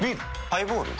ハイボール？